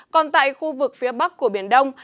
còn tại khu vực phía bắc của biển đông